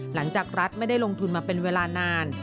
หลังจากรัฐไม่ได้ลงทุนมาเป็นเวลานาน